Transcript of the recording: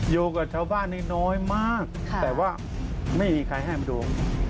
อยู่กับชาวบ้านนี้น้อยมากแต่ว่าไม่มีใครให้มาดู